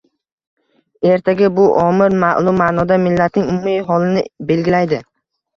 ertaga bu omil ma’lum ma’noda millatning umumiy holini belgilaydi.